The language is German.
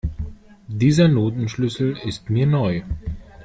Dieser Notenschlüssel ist mir neu.